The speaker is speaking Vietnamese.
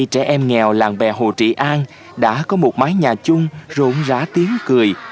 trị an đã có một mái nhà chung rộn rã tiếng cười